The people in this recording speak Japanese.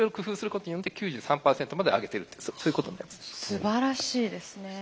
すばらしいですね。